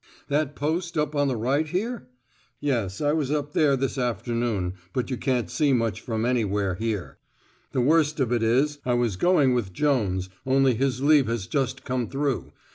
"That post up on the right here? Yes, I was up there this afternoon, but you can't see much from anywhere here. The worst of it is I was going with 52 Jones; only his leave has just come through.